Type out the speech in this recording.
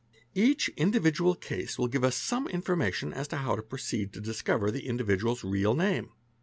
Each individual case will give us some information as to how fo pro ceed to discover the individual's real name.